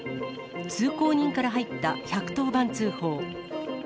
通行人から入った１１０番通報。